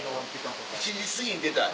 ７時過ぎに出たい。